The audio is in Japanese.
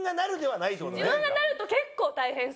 自分がなると結構大変そうだな。